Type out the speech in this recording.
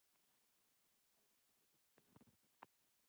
This still stands and is used for major events in the town.